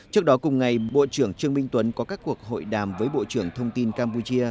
trước đó cùng ngày bộ trưởng trương minh tuấn có các cuộc hội đàm với bộ trưởng thông tin campuchia